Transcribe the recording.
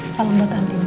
salam buat andin ya